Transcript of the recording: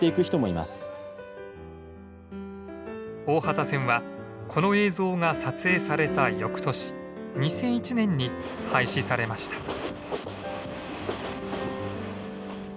大畑線はこの映像が撮影されたよくとし２００１年に廃止されました。